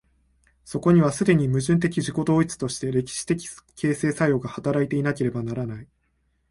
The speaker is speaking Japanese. そこには既に矛盾的自己同一として歴史的形成作用が働いていなければならない。